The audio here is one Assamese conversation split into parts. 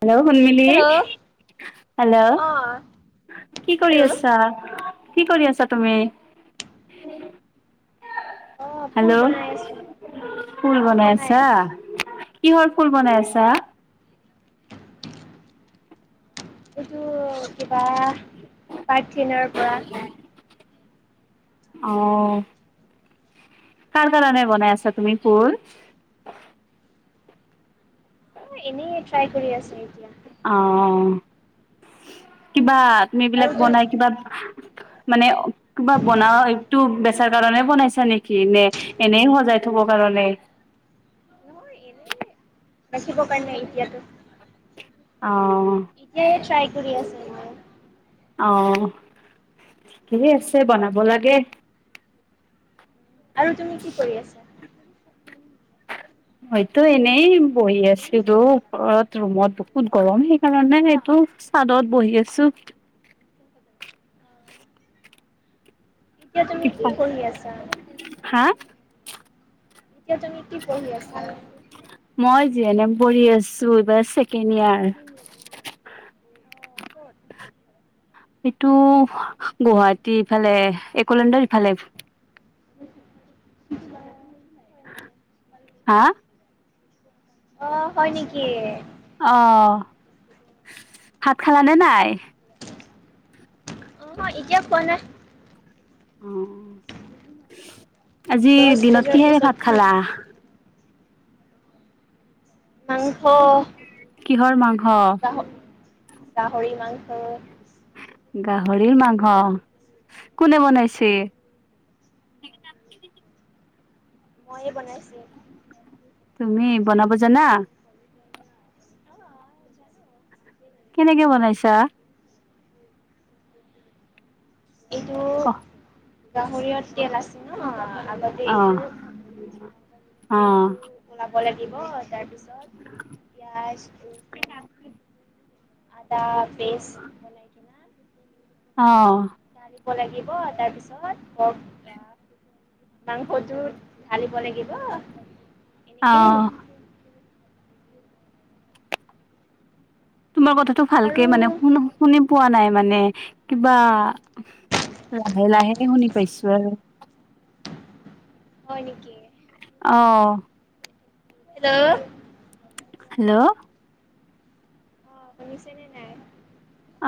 হেল্ল' সুন্মিলি হেল্ল' হেল্ল' অ', কি কৰি হেল্ল' আছা কি কৰি আছা তুমি অ', ফুল বনাই হেল্ল' আছোঁ মই। ফুল বনাই আছা কিহৰ ফুল বনাই আছা এইটো কিবা প্ৰাৰ্থিনাৰ পৰা অ কাৰ কাৰণে বনাই আছা তুমি ফুল অ এনেই ট্ৰাই কৰি আছো এতিয়া অ কিবা তুমি এই আৰু বিলাক তোৰ বনাই কিবা মানে কিবা বনা একটো বেচাৰ কাৰনে বনাইছা নেকি নে এনেই সজাই থব কাৰণে নে নাচিব কাৰণে এতিয়াটো অ এনে ট্ৰাই কৰি আছোঁ মই অ ঠিকে আছে বনাব লাগে আৰু তুমি কি কৰি আছা? মইতো এনেই বহি আছিলোঁ ঘৰত ৰুমত বহুত গৰম সেইকাৰণে এইটো চাদত বহি আছো এতিয়া তুমি কি কিপা পঢ়ি আছা? হা এতিয়া তুমি কি পঢ়ি আছা? মই জি এন এম পঢ়ি আছো এইবাৰ ছেকেণ্ড ইয়াৰ অ ক'ত? এইটো গুৱাহাটী ইফালে এক'লেণ্ডৰ ইফালে [unintelligible] হা অ হয় নেকি? অ ভাত খালানে নাই? মই এতিয়া পোৱা নাই অ দহ আজিৰ দিনত বজাৰ কিহেৰে পিছত ভাত খাম। খালা? মাংস কিহৰ মাংস গাহ গাহৰি মাংস গাহৰিৰ মাংস কোনে বনাইছে? মইয়ে বনাইছো তুমি বনাব জানা? অ জানোঁ কেনেকে বনাইছা? এইটো ক গাহৰিয় তেল আছে ন আগতে অ এইটো অ কিন্তু ওলাব লাগিব তাৰপিছত ইয়াৰ আদা পেষ্ট [inaudible] অঁ ধনিয়া দিব লাগিব তাৰপিছত মাংসটোত ঢালিব লাগিব এনেকেই অ তোমাৰ কথাটো আৰু ভালকে মানে শুন শুনি পোৱা নাই মানে কিবা লাহে লাহে শুনি পাইছো আৰু হয় নেকি অঁ হেল্ল' হেল্ল' শুনিছেনে নাই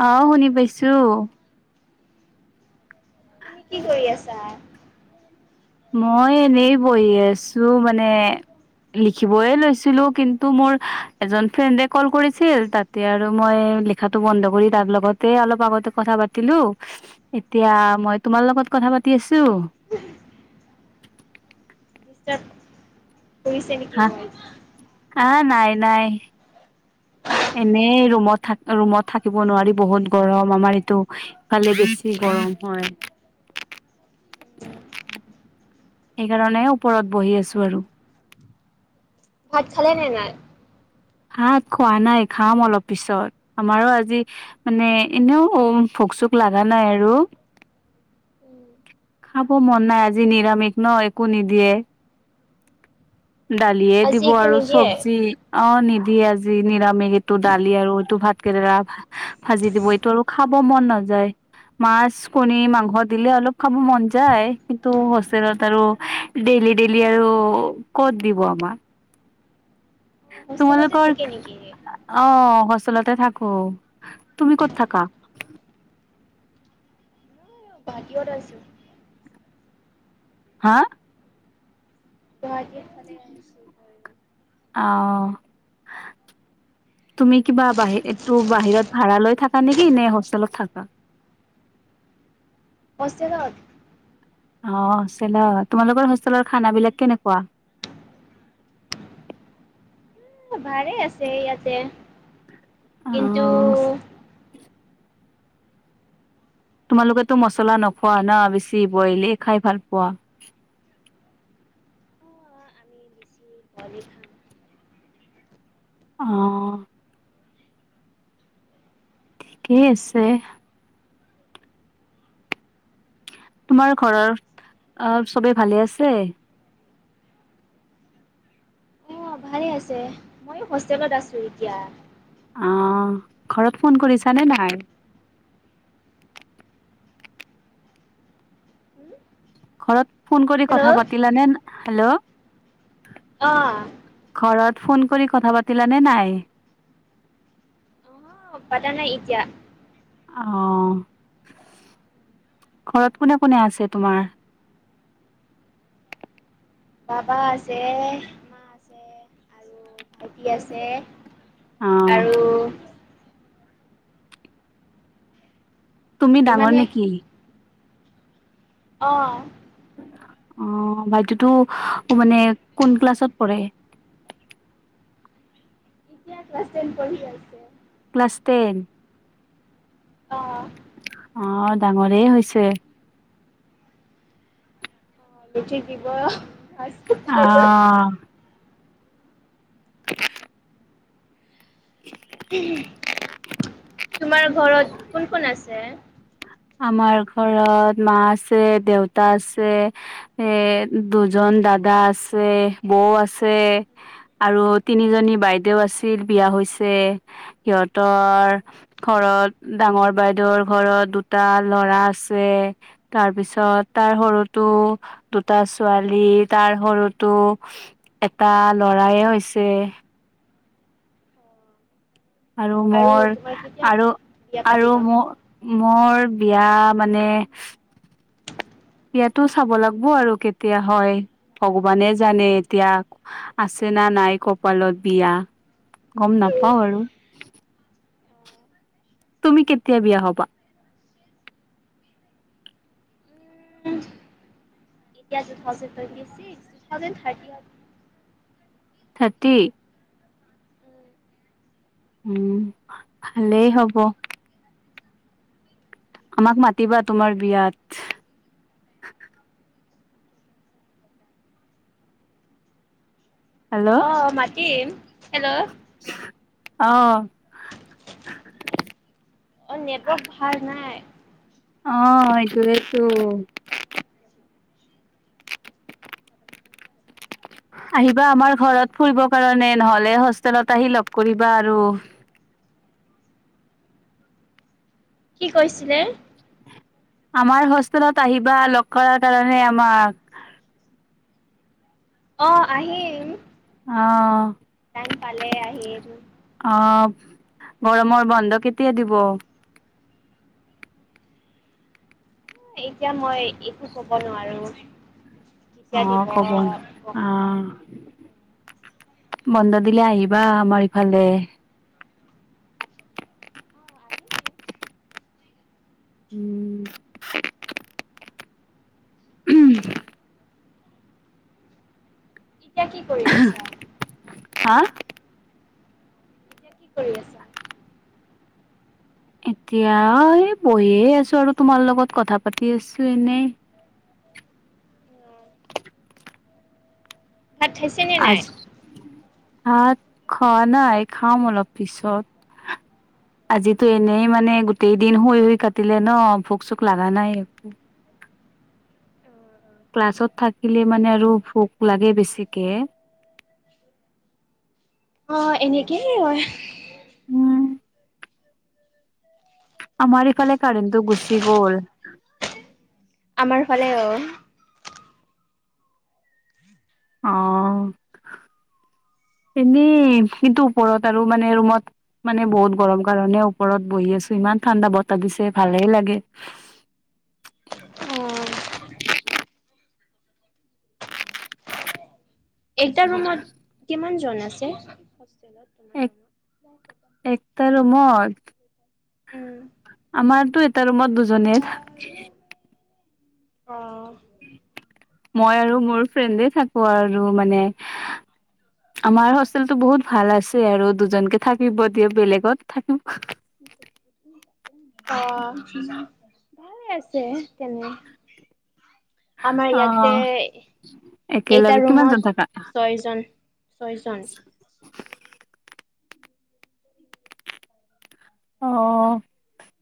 অ শুনি পাইছোঁ তুমি কি কৰি আছা? মই এনেই বহি আছোঁ মানে লিখিবয়ে লৈছিলোঁ কিন্তু মোৰ এজন ফ্ৰেণ্ডে কল কৰিছিল তাতে আৰু মই লিখাটো বন্ধ কৰি তাৰ লগতে অলপ আগতে কথা পাতিলোঁ এতিয়া মই তোমাৰ লগত কথা পাতি আছোঁ। [unintelligible] দুতেপ কৰিছে নেকি ৱাইফ। আ নাই নাই। এনেই ৰুমত থা ৰুমত থাকিব নোৱাৰি বহুত গৰম আমাৰ এইটো কালে বেছি গৰম হয়। [inaudible] সেইকাৰণে ওপৰত বহি আছো আৰু ভাত খালে নে মাৰ হাত খোৱা নাই, খাম অলপ পিছত আমাৰো আজি মানে এনেও ভোক চোক লগা নাই আৰু [inaudible] খাব মন নাই আজি নিৰামিষ ন একো নিদিয়ে। [inaudible] দালিয়ে আজি দিব একো আৰু নিদিয়ে? চবজি অঁ নি দি আজি নিৰামিষ এইটো দালি আৰু এইটো ভাত কেৰেলা ভাজি দিব এইটো আৰু খাব মন নাযায়। মাছ কণী মাংস দিলে অলপ খাব মন যায় কিন্তু হোষ্টেলত আৰু ডেইলি ডেইলি আৰু ক'ত দিব আমাক। অ', হোষ্টেলতে তোমালোকৰ থাকে নেকি? অঁ হোষ্টেলতে থাকো, তুমি ক'ত থাকা? বাহিৰত আছোঁ। হা জাহাকিৰ অঁ। তুমি কিবা বাহিৰটো বাহিৰত ভাড়া লৈ থাকা নেকি নে হোষ্টেলত থাকা? হষ্টেলত। অ' আছিলে। তোমালোকৰ হোষ্টেলৰ খানাবিলাক কেনেকুৱা? ভালেই আছে ইয়াতে কিন্তু অ' তোমালোকেতো মছলা নোখোৱা ন বেছি বইলেই খাই ভাল পোৱা। বলেই খাম। অ। কি আছে? তোমাৰ ঘৰৰ আ চবেই ভালে আছে? অ' ভাই আছে। মইও হোষ্টেলত আছো এতিয়া। অঁ, ঘৰত ফোন কৰিছানে নাই? কি? ঘৰত ফোন কৰি কথা পাতিলানে? হেল্ল' অ', অ', ঘৰত ফোন কৰি কথা পাতিলানে নাই? পাতা নাই এতিয়া। অঁ, ঘৰত কোনে কোনে আছে তোমাৰ? বাবা আছে, মা আছে আৰু ভাইটি আছে। অ' আৰু তুমি ডাঙৰ ইমানে নেকি? অঁ। অ' ভাইটিটো মানে কোন ক্লাছত পঢ়ে? এতিয়া ক্লাছ টেন পঢ়ি আছে। Class ten. ন! অঁ ডাঙৰেই হৈছে। সঠিক কি কয় অ অ', [unintelligible] অহো। তোমাৰ ঘৰত কোন কোন আছে? আমাৰ ঘৰত মা আছে, দেউতা আছে। এ দুজন দাদা আছে, বৌ আছে। আৰু তিনিজনী বাইদেউ আছিল, বিয়া হৈছে। সিহঁতৰ ঘৰত, ডাঙৰ বাইদেউৰ ঘৰত দুট তা ল'ৰা আছে। তাৰপিছত তাৰ সৰুটো দুটা ছোৱালী, তাৰ সৰুটো এটা ল'ৰায়ে হৈছে। আৰু মোৰ, তোমাৰ কেতিয়া আৰু, বিয়া আৰু পাতিবা? মোৰ মোৰ বিয়া মানে বিয়াতো চাব লাগিব আৰু কেতিয়া হয়ঁ। ভগৱানে জানে এতিয়া। আছে নে নাই কপালত বিয়া! গম উম, নাপাওঁ আৰু। তুমি কেতিয়া বিয়া হ'বা? এতিয়া two thousand twenty six. Two thousand থাৰ্টিত। থাৰ্টি? উমঁ, ভালেই হ'ব। আমাক মাতিবা তোমাৰ বিয়াত। হেলৌ! অঁ মাতিম হেলৌ! অঁ! অঁ নেটৱৰ্ক ভাল নাই। অঁ এইটোৱেটো। আহিবা আমাৰ ঘৰত ফুৰিব কাৰণে নহলে হোষ্টেলত আহি লগ কৰিবা আৰু। কি কৈছিলে? আমাৰ হোষ্টেলত আহিবা লগ কৰাৰ কাৰণে আমাক। অঁ আহিম অ টাইম পালে আহিম। অঁ গৰমৰ বন্ধ কেতিয়া দিব। এএতিয়া মই একো কব নোৱাৰো। অঁ কবন অঁ। মই। বন্ধ দিলে আহিবা আমাৰ ইফালে। এনেই এচ উমঁ! উমঁ হো এতিয়া কি কৰি আছা? হাঃ। এতিয়া কি কৰি আছা? এতিয়া এই বহিয়ে আছোঁ আৰু তোমাৰ লগত কথা পাতি আছোঁ এনেই। নো ভাত খাইছে? নে নাই? আজি- ভাত খোৱা নাই খাম অলপ পিছত আজিতো এনেই মানে গোটেই দিন শুই-শুই কাটিলে ন ভোক-চোক লগা নাই একো। [unintelligible] ক্লাছত থাকিলে মানে আৰু ভোক লাগে বেছিকে। [unintelligible] অঁ! এনেকেই হয় [unintelligible] উম। [inaudible] আমাৰ ইফালে কাৰেন্টো গুচি গ'ল। [unintelligible] আমাৰ ফালেও। [unintelligible] অঁ! [inaudible] [inaudible] এনেই সিটো ওপৰত আৰু মানে ৰুমত [inaudible] মানে বহুত গৰম কাৰণে ওপৰত বহি আছো ইমান ঠাণ্ডা বতাহ দিছে ভালে লাগে। [inaudible] উম! [unintelligible] এটা ৰুমত কিমান জন আছে? এক হোষ্টেলত [inaudible] একটা ৰুমত [unintelligible] উম। আমাৰটো এটা ৰুমত দুজনে। [unintelligible] অঁ! [inaudible] মই আৰু মোৰ ফ্ৰেণ্ডে থাকো আৰু মানে [unintelligible] আমাৰ হোষ্টেলটো বহুত ভাল আছে আৰু দুজনকে থাকিব দিয়ে। বেলেগত থাকিব [unintelligible] [inaudible] অঁ! ভালে আছে তেনে। [unintelligible] আমাৰ অ ইয়াতে এটা একেলগে কিমানজন ৰুমত থাকা ছয়জন। [unintelligible] ছয়জন। [inaudible] অঁ!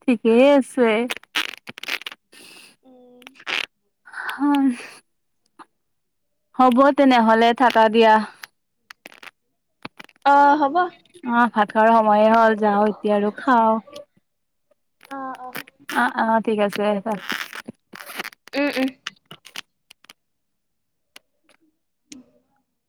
ঠিকেই আছে। [unintelligible] উম! [inaudible] হ'ম [unintelligible] হ'ব তেনেহলে থাকা দিয়া। [inaudible] অঁ! হ'ব। [unintelligible] অঁ! ভাত খোৱাৰ সময়ে হ'ল যাওঁ এতিয়া আৰু খাওঁ। [unintelligible] অ', অ'। অঁ-অঁ! ঠিক আছে চ [unintelligible] উম-উম! [unintelligible] [inaudible]